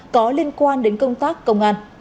có liên quan đến công tác công an